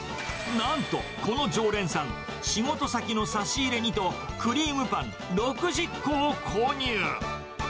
なんと、この常連さん、仕事先の差し入れにと、クリームパン６０個を購入。